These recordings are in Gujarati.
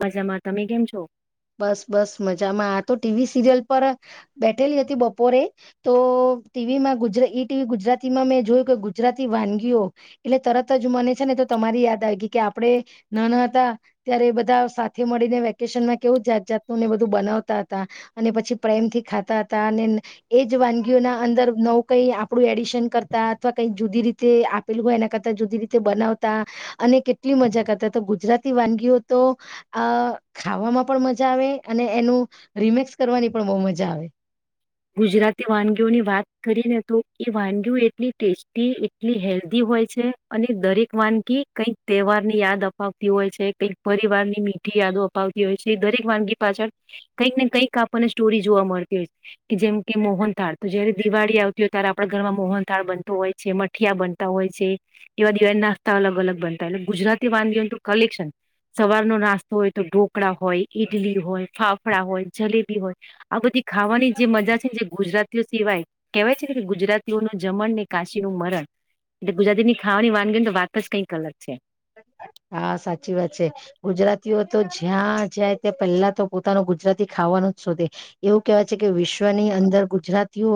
મજામાં, તમે કેમ છો? બસ બસ મજામાં, આતો ટીવી સિરિયલ પર બેઠેલી હતી બપોરે તો ટીવીમાં ગુજ ઈ ટીવી ગુજરાતીમાં મેં જોયું કે ગુજરાતી વાનગીઓ એટલે તરતજ મને છે ને તો તમારી યાદ આવી ગઈ, કે આપડે ન ન હતા ત્યારે બધા સાથે મળીને વેકેશન કેવું જાત જાતનું ને એ બધું બનાવતા હતા અને પછી પ્રેમ થી ખાતા હતા અને એજ વાનગીઓના અંદર નવું કઈ આપણું એડિશન કરતા અથવા કઈ જુદી રીતે આપેલું હોય એના કરતા જુદી રીતે બનાવતા અને કેટલી મજા કરતા તો ગુજરાતી વાનગીઓ તો આ ખાવામાં પણ મજા આવે અને એનું રિમક્સ કરવાની પણ બહ મજા આવે. ગુજરાતી વાનગીઓની વાત કરી ને તો એ વાનગીઓ એટલી ટેસ્ટી, એટલી હેલ્ધી હોય છે અને દરેક વાનગી કઈક તહેવાર ની યાદ અપાવતી હોય છે, કઈક પરિવાર ની મીઠી યાદો અપાવતી હોય છે, દરેક વાનગી પાછળ કંઈક ને કઈક આપણને સ્ટોરી જોવા મળતી હોય છે. કે જેમ કે મોહનથાળ, તો જયારે દિવાળી આવતી હોય ત્યારે આપણા ઘરમાં મોહનથાળ બનતો હોય છે, મઠીિયા બનતા હોય છે, એવા દિવાળી નાસ્તા અલગ અલગ બનતા હોય, એટલે ગુજરાતી વાનગીઓનું તો કલેક્શન. સવાર નો નાસ્તો હોય તો ઢોકળા હોય, ઈડલી હોય, ફાફડાા હોય, જલેબી હોય, આ બધી ખાવાની જે મજા છે જે ગુજરાતીઓ સિવાય કહેવાય છે ને કે ગુજરાતીઓનું જમણ ને કાશી નું મરણ, એટલે ગુજરાતીની ખાવાની વાનગીને તો વાત જ કંઈક અલગ છે. હા, સાચી વાત છે. ગુજરાતીઓ તો જ્યાં જાય ત્યા પહેલા તો પોતાનું ગુજરાતી ખાવાનુંજ શોધે. એવું કેહેવાય છે કે વિશ્વની અંદર ગુજરાતીઓ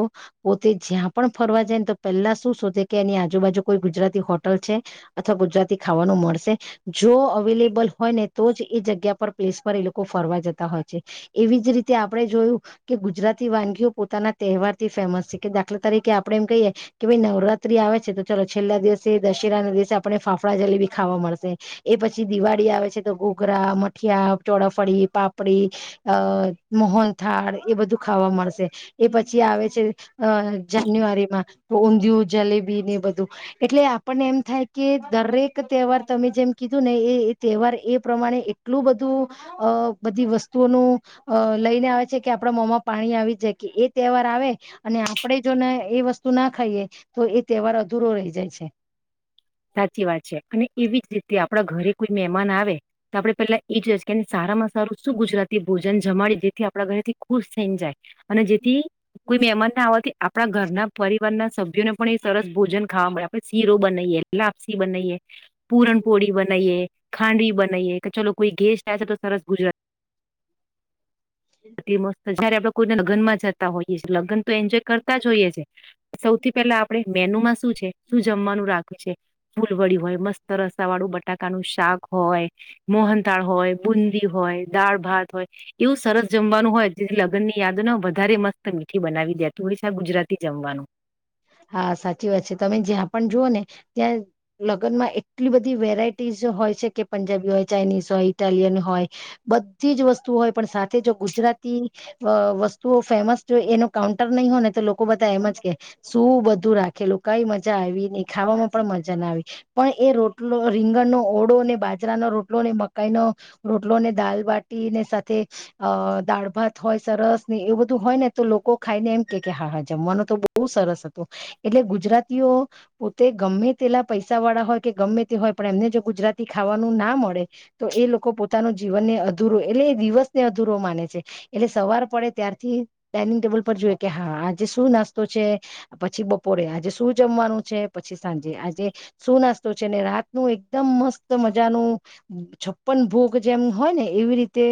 પોતે જ્યાં પણ ફરવા જાય ને તો પહેલા શું શોધે કે એની આજુબાજુ કોઈ ગુજરાતી હોટલ છે અથવા ગુજરાતી ખાવાનું મળશે, જો અવેલેબલ હોય ને તો જ એ જગ્યા પર પ્લેસ પર એ લોકો ફરવા જતા હોય છે. એવીજ રીતે આપડે જોયું કે ગુજરાતી વાનગીઓ પોતાના તહેવાર થી ફેમસ છે કે દાખલા તરીકે આપડે એમ કહીએ કે ભાઈ નવરાત્રી આવે છે, તો ચાલો છેલ્લા દિવસે દશેરા ના દિવસે આપણે ફાફ ફળા જલેબી ખાવા મળશે. એ પછી દિવાળી આવે છે તો ધુઘરા, મઠિયા, ચોડાફળી, પાપડી અહ મોહનથાળ એ બધું ખાવા મળશે. એ પછી આવે છે જાન્યુઆરીમાં તો ઊંધિયું, જલેબી ને એ બધું એટલે આપણને એમ થાય કે દરેક તહેવાર તમે જેમ કીધું ને એ તહેવાર એ પ્રમાણે એટલું બધું અહ બધી વસ્તુઓનું લઈને આવે છે કે આપડા મોમાં પાણી આવી જાય, કે એ તહેવાર આવે અને આપણે જોને એ વસ્તુ ના ખાઈએ, તો એ તહેવાર અધૂરો રહી જાય છે. સાચી વાત છે. અને એવીજ રીતે આપડા ઘરે કોઈ મહેમાન આવે, તો આપડે પેલા એ જ હો કે સારામાં સારું શું ગુજરાતી ભોજન જમાડી જેથી આપણા ઘરેથી ખુશ થઈને જાય. અને જેથી કોઈ મહેમાન ના આવવાથી આપડા ઘરના પરિવારના સભ્યોને પણ એ સરસ ભોજન ખાવા મળે, આપણે શીરો બનાઈએ લાપસી બનાઈએ, પૂરણપોળી બનાઈએ, ખાંડવી બનાઈએ, કે ચલો કોઈ ગેસ્ટ આવે છે તો સરસ ગુજરાતી અતિ મસ્ત, જયારે આપડે કોઈને લગ્નમાં જતા હોઈએ છે, લગ્ન તો એન્જોય કરતા જ હોઈએ છે. સૌથી પહેલા આપેડે મેનુમાં શું છે, શું જમવાનું રાખ્યું છે, ફૂલ વડ્યું હોય, મસ્ત રસા વાળું બટ ટાકા નું શાક હોય મોહનતાળ હોય બુન [inaudible] હોય દાળ ભાત હોય એવું સરસ જમવાનું હોય જેથી લગ્નની યાદ ને વધારે મસ્ત મીઠી બનાવી દે તું હવે છે આ ગુજરાતી જમવાનું. હા સાચી વાત છે. તમે જ્યાં પણ જુઓ ને ત્યાં લગ્નમાં એટલી બધી વેરાઈટીજ હોય છે કે પંજાબી હોય, ચાઇનીઝ હોય, ઇટાલિયન હોય, બધી જ વસ્તુ હોય પણ સાથે જો ગુજરાતી અહ વસ્તુઓ ફેમસ જો એનો કાઉન્ટર નહીં હોય ને તો લોકો બધા એમ જ કે શું બધું રાખે લોકો કઈ મજા આવી ને ખાવામાં પણ મજા ના આવી પણ એ રોટલો રીંગણનો ઓળો ને બાજરાનો રોટલો ને મકાઈ નો રોટલો ને દાલબટી ને સાથે અહ દાળ ભાત હોય સરસ ને એું બધું હોય ને તો લોકો ખાઈને એમ કે કે હા હા જમવાનુંનો તો બહુ સરસ હતો. એટલે ગુજરાતીઓ પોતે ગમે તેલા પૈસા વાળા હોય કે ગમે તે હોય પણ એમને જો ગુજરાતી ખાવાનું ના મળે તો એ લોકો પોતાનું જીવનને અધૂરો એટલે એ દિવસ ને અધુરો માને છે. એટલે સવાર પડે ત્યારથી ડાયનિંગ ટેબલ પર જોઈએ કે હા આજે શું નાસ્તો છે પછી બપોરે આજે શું જમવાનું છે, પછી સાંજે આજે શું નાસ્તો છે, રાતનું એકદમ મસ્ત મજાનું છપ્પન ભોગ જેમ હોય ને એવી રીતે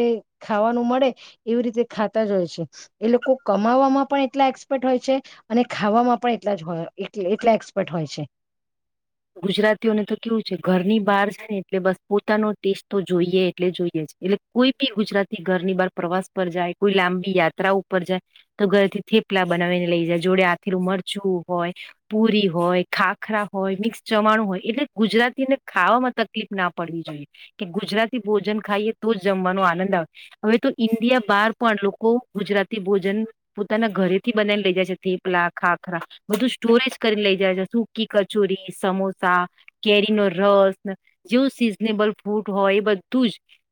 ખાવાનું મળે એવી રીતે ખાતા જ હોય છે. એ લોકો કમાવામાં પણ એટલા એક્સપર્ટ હોય છે, અને ખાવામાં પણ એટલાજ હોય એટલે એટલા એક્સપર્ટ હોય છે. ગુજરાતીઓને તો કેવું છે, ઘરની બહાર જાય ને એટલે બસ પોતાનો ટેસ્ટ તો જોઈએ એટલે જોઈએ છે. એટલે કોઈ બી ગુજરાતી ઘરની બહાર પ્રવાસ પર જાય કોઈ લાંબી યાત્રા ઉપર જાય તો ઘરથી થેપલા બનાવીને લઈ જાય જોડે આથીરું મરચું હોય, પુરી હોય, ખાખરા હોય, મિક્સ ચવાણું હોય. એટલે ગુજરાતીને ખાવામાં તકલીફ ના પડવી જોઈએ. કે ગુજરાતી ભોજન ખાઈએ તો જ જમવાનો આનંદ આવે હવે તો ઈન્ડિયા બહાર પણ લોકો ગુજરાતી ભોજન પોતાના ઘરેથી બનાવીને લઇ જાય છે, થેપલા ખાખરા બધું સ્ટોરેજ કરીને લઇ જાય છે. સુખી કચોરી સમોસા, કેરી નો રસ જેવું સિઝનેબલ ફૂડ હોય એ બધું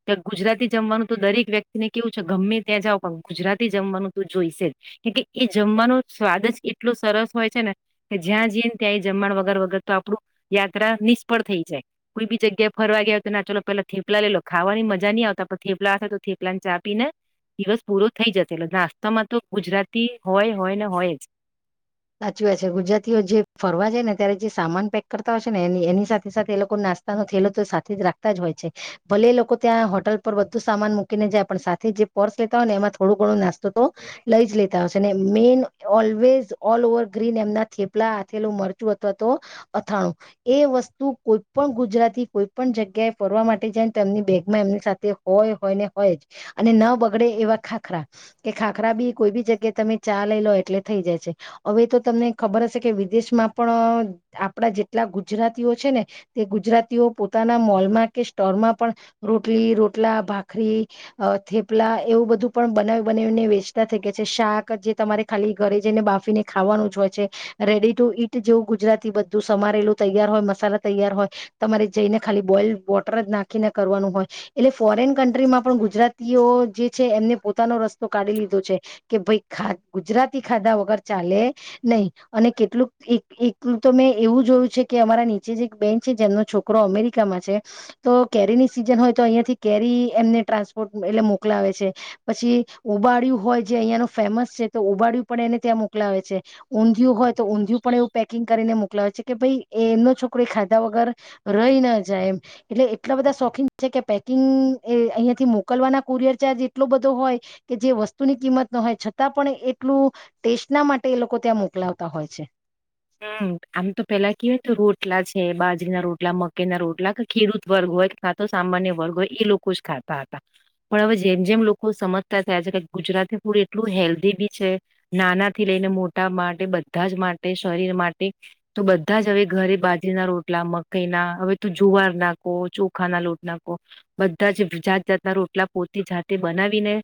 જ ગુજરાતી જમવાનું તો દરેક વ્યક્તિને કેવું છે ગમે ત્યાં જઓ પણ ગુજરાતી જમવાનું તો જોઈશે જ. કેમ કે એ જમવાનો સ્વાદ જ એટલો સરસ હોય છે, ને કે જ્યાં જઈને ત્યાં એ જમવા વગર વગર તો આપણું યાત્રા નિષ્ફળ થઈ જાય કોઈ બી જગ્યાએ ફરવા ગયા હોય તો ના ચાલ પેલા થેપલા લે લો ખાવાની મજા નહી આવતા પણ થેપલાશે તો થેપલા ને ચા પીને દિવસ પૂરો થઈ જશે. એટલે નાસ્તામાં તો ગુજરાતી હોય હોય ને હોય જ. સાચી વાત છે, ગુજરાતીઓ જે ફરવા જાય ને ત્યારે જે સામાન પેક કરતા હોય છે, ને એ એની સાથે સાથે એ લોકો નાસ્તાનો થેલો તો સાથે જ રાખતા જ હોય છે. ભલે એ લોકો ત્યાં હોટલ પર બધું સામાન મૂકીને જાય પણ સાથે જે પર્સ લેતા હોય ને એમાં થોડું ઘણો નાસ્તો તો લઈ જ લેતા હોય છે, ને main always all over green એમના થેપલા હથેલું મરચું અથવા તો અથાણું એ વસ્તુ કોઈ પણ ગુજરાતી કોઈ પણ જગ્યાએ ફરવા માટે જાય એની બેગમાં એમની સાથે હોય હોય ને હોય જ અને ન બગડે એવા ખાખરા કે ખાખરા બી કોઈ બી જગ્યાએ તમે ચા લઈ લો એટલે થઈ જાય છે. હવે તો તમને ખબર હશે કે વિદેશમાં પણ આપડા જેટલા ગુજરાતીઓ છે, ને તે ગુજરાતીઓ પોતાના મોલમાં કે સ્ટોલમાં પણ રોટલી રોટલા ભાખરી થેપલા એવું બધું પણ બનાવી બનાવીને વેચતા થઈ ગયા છે, શાક જે તમારે ખાલી ઘરે જઈને બાફ ફીને ખાવાનું જ હોય છે, રેડી ટુ ઈટ જેવું ગુજરાતી બધું સમારેલું તૈયાર હોય મસાલા તૈયાર હોય તમારે જઈને ખાલી બોઇલ વોટર જ નાખીને કરવાનું હોય એટલે ફોરેન કન્ટ્રીમાં પણ ગુજરાતીઓ જે છે, એમને પોતાનો રસ્તો કાઢી લીધો છે કે ભાઈ ખા ગુજરાતી ખાધા વગર ચાલે નહી. અને કેટલુંક એક એક તો મેં એવું જોયું છે, કે અમારા નીચે જે એક બેન છે, જેમનો છોકરો અમેરિકામાં છે, તો કેરીની સિઝન હોય તો અહિયાં થી કેરી એમને ટ્રાન્સપોર્ટ એટલે મોકલાવે છે. પછી ઉબાડય્યું હોય જે અહિયાયા ન ફેમસ છે, તો ઉબાડયું પણ એને ત્યાં મો લાવે છે. ઊંધિું હોય તો ઊંધિું પણ એવું પેકિંગ કરીને મોકલાવે છે, કે ભાઈ એ એમનો છોકરો એ ખાધા વગર રહી ન જાય એમ એટલે એટલા બધા શોખીન છે, કે પેકિંગ એ અહિયાયાથી મોકલવાના કુરિયર ચાર્જ એટલો બધો હોય કે જે વસ્તુની કિંમત ન હોય છતાં પણ એટલું ટેસ્ટ ના માટે એ લોકો ત્યાં મોકલાવતા હોય છે. હમ્મ, આમ તો પેલા કેવાય તો રોટલા છે, બાજરી ના રોટલા મકેઈ ના રોટલા કે ખેડૂત વર્ગ હોય કે કાતો સાંમાન્ય વર્ગ હોય એ લોકો જ ખાતા હતા. પણ હવે જેમ જેમ લોકો સમજતા થયા છે, કે ગુજરાતી ફૂડ એટલું હેલ્ધી બી છે, નાના થી લઈને મોટા માટે બધા જ માટે શરીર માટે તો બધા જ હવે ઘરે બાજરીના રોટલા મકાઈ ના હવે તું જુવાર નાખો ચોખા ના લોટ નાખો બધા જ જાત જાતના રોટલા પોતે જાતે બનાવીને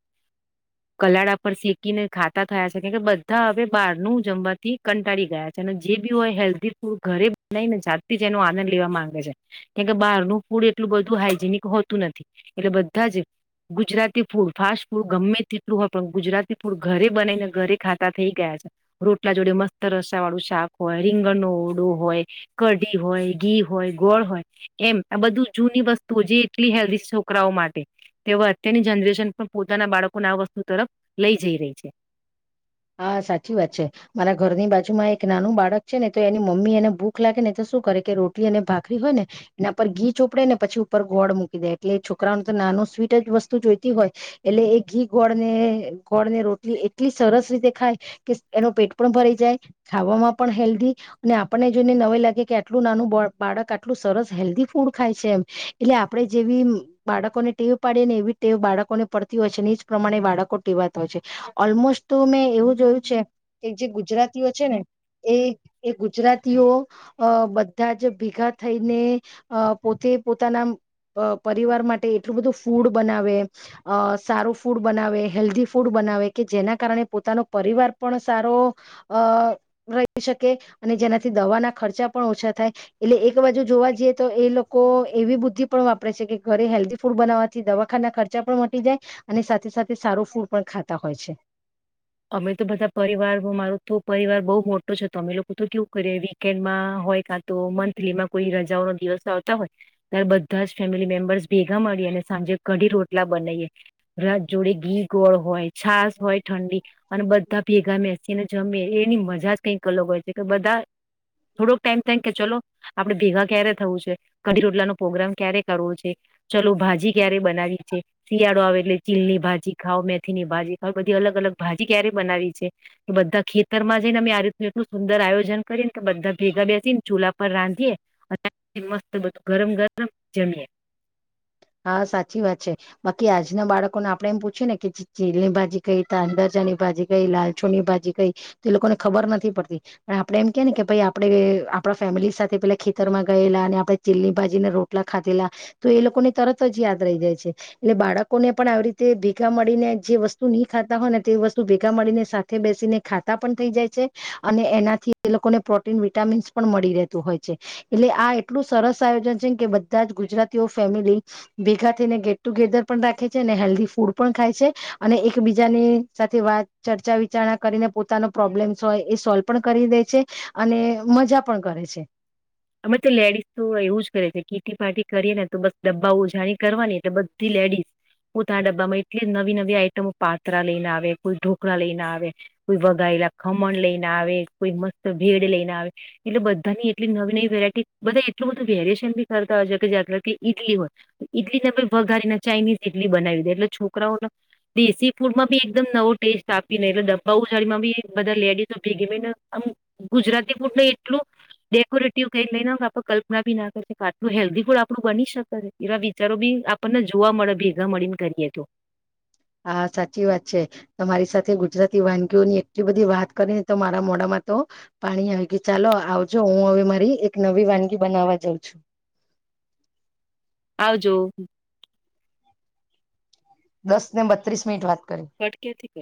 કલાળા પર શેકીને ખાતા થયા છે, કે કે બધા હવે બહાર ન જમવાથી કંટાળી ગયા છે ને જે બી હોય હેલ્ધી ફૂડ ઘરે બનાઈને જાત જ એનો આનંદ લેવા માંગે છે, કેમ કે બહારનું ફૂડ એટલું બધું હાઈજીનિક હોતું નથી એટલે બધા જ ગુજરાતી ફૂડ ફાસ્ટ ફૂડ ગમે તેટલું હોય પણ ગુજરાતી ફૂડ ઘરે બનાઈને ઘરે ખાતા થઈ ગયા છે, રોટલા જોડે મસ્ત રસ વાળું શાક હોય, રીંગણનો ઓડો હોય, કઢી હોય, ઘી હોય, ગોળ હોય એમ આ બધું જૂની વસ્તુઓ જે એટલી હેલ્ધી છોકરાઓ માટે તે અત્યારની જનરેશન પણ પોતાના બાળકોને આ વસ્તુ તરફ લઈ જઈ રહી છે. હા સાચી વાત છે, મારા ઘરની બાજુમાં એક નાનું બાળક છે, ને તો એની મમ્મી એને ભૂખ લાગે ને તો શું કરે કે રોટલી અને ભાખરી હોય ને એના પર ઘી ચોપડે ને પછી ઉપર ગોળ મૂકી દે એટલે એ છોકરા ન તો નાનું સ્વીટ જ વસ્તુ જોઈતી હોય એટલે એ ઘી ગોળ ને ગોળ ને રોટલી એટલી સરસ રીતે દે એનો પેટ પણ ભરાઈ જાય ખાવામાં પણ હેલ્ધી અને આપણને જોઈને નવે લાગે કે આટલું નાનું બાળક આટલું સરસ હેલ્ધી ફૂડ ખાય છે, એમ એટલે આપણે જેવી બાળકોને ટેવ પાડીએ ને એવી ટેવ બાળકો ને પડતી હોય છે, એ જ પ્રમાણે બાળકો ટેવાતા હોય છે, ઓલમોસ્ટ તો મેં એવું જોયું છે, કે જે ગુજરાતીઓ છે ને એ એ ગુજરાતીઓ અ બધા જ ભેગા થઈને અ પોતે પોતાના પરિવાર માટે એટલું બધું ફૂડ બનાવે અ સારું ફૂડ બનાવે હેલ્ધી ફૂડ બનાવે કે જેના કારણે પોતાનો પરિવાર પણ સારો અ રહી શકે અને જેનાથી દવાના ખર્ચા પણ ઓછા થાય એટલે એક બાજુ જોવા જઈએ તો એ લોકો એવી બુદ્ધિ પણ વાપરે છે, કે ઘરે હેલ્ધી ફૂડ બનાવવાથી દવાખાના ખર્ચા પણ મટી જાય અને સાથે-સાથે સારું ફૂડ પણ ખાતા હોય છે. અમે તો બધા પરિવાર મારો તો પરિવાર બહુ મોટો છે, તો અમે લોકો તો કેવું કરી વીકેન્ડમાં હોય કાં તો મંથલીમાં કોઈ રજાઓ ન દિવસ આવતા હોય ત્યારે બધા જ ફેમિલી મેમ્બર્સ ભેગા મળીને સાંજે કઢી રોટલા બનાઈએ, રાત જોડે ઘી ગોળ હોય છાસ હોય ઠંડી. અને બધા ભેગા બેસીને. જમે એની મજા જ કઈક અલગ હોય છે, કે બધા થોડોક ટાઈમ થ કે ચલો આપડે ભેગા ક્યારે થવું છે, કઢી રોટલા નો પ્રોગ્રામ ક્યારે કરવો છે, ચાલો ભાજી ક્યારે બનાવી છે, શિયાળો આવે એટલે ચીલની ભાજી ખાાવ મેથી ની ભાજી ખાવ બધી અલગ-અલગ. ભાજી ક્યારે બનાવી છે, કે બધા ખેતરમાં જઈને અમે આ રીત એટલું સુંદર આયોજન કરીએને કે બધા ભેગા બેસીને ચૂલા પર રાંધીએ અને મસ્ત બધું ગરમ-ગરમ જમીએ. હા સાચી વાત છે, બાકી આજના બાળકોને આપડે એમ પૂછીયએ ને કે ચીલની ભાજી કઈ ત અંદરજાની ભાજી કઈ લાલછો ની ભાજી કઈ તો એ લોકોને ખબર નથી પડતી, પણ આપડણે એમ કે ને કે ભાઈ આપડે આપડા ફેમિલી સાથે પેલા ખેતરમાં ગયેલા અને આપણે ચીલની ભાજી ને રોટલા ખાધેલા તો એ લોકોને તરત જ યાદ રહી જાય છે, એટલે બાળકોને પણ આવી રીતે ભેગા મળીને જે વસ્તુ નહી ખાતા હોય ને તે વસ્તુ ભેગા મળીને સાથે બેસીને ખાતા પણ થઈ જાય છે અને એનાથી એ લોકોને પ્રોટીન, વિટામીન્સ પણ મળી રહેતું હોય છે એટલે આ એટલું સરસ આયોજન છે, કે બધા જ ગુજરાતીઓ ફેમિલી ભેગા થઈને ગેટ ટુગેધર પણ રાખે છે, અને હેલ્ધી ફૂડ પણ ખાય છે, અને એકબીજાની સાથે વાત ચર્ચા વિચારણા કરીને પોતાનો પ્રોબ્લેમ્સ હોય એ સોલ્વ પણ કરી દે છે, અને મજા પણ કરે છે. અરે તો લેડીઝ તો એવું જ કરે છે, કીટી પાર્ટી કરીએ ને તો બસ ડબ્બા ઉજાણી કરવાની એટલે બધી લેડીસ પો તના ડબ્બામાં એટલી નવી નવી આઈટમ પાત્રા લઈને આવે, કોઈ ઢોકળા લઈને આવે, કોઈ વગાયેલા ખમણ લઈને આવે, કોઈ મસ્ત ભેડ લઈ ને આવે, એટલે બધાની એટલી નવી-નવી વેરા બધા એટલું બધું વેરિએશન બી કરતા હોય છે, કે જે કે ઇડલી હોય ઇડલી ને વઘારીને ચાઇનીઝ ઇડલી બનાવી દે એટલે છોકરાઓને દેશી ફૂડમાં બી એકદમ નવો ટેસ્ટ આપીને એટલે ડબ્બા ઉજાડીમાં બી બધા લેડીસો ભેગીને આમ ગુજરાતી ફૂડને એટલું ડેકોરે ક લઈને આપણે કલ્પના બી ના કરશે કે આટલું હેલ્ધી ફૂડ આપણું બની શકે એવા વિચારો બી આપણને જોવા મળે ભેગા મળીને કરીએ તો. હા સાચી વાત છે, તમારી સાથે ગુજરાતી વાનગીઓની એટલી બધી વાત કરીને તો મારા મોડામાં તો પાણી આવી કે ચાલો આવજો હું હવે મારી એક નવી વાનગી બનાવવા જાઉં છું. આવજો. દસ ને બત્રીસ મિનિટ વાત કરી ફટ કેથી કર.